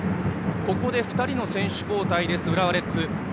ここで２人の選手交代を行う浦和レッズ。